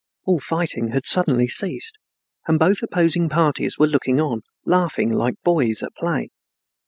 All fighting had suddenly ceased, and both opposing parties were looking on, laughing like boys at play.